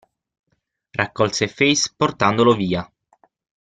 Raccolse Phase portandolo via.